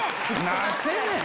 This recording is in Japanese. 何してんねん！